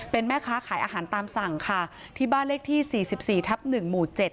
เป็นแม่ค้าขายอาหารตามสั่งค่ะที่บ้านเลขที่๔๔ทับ๑หมู่๗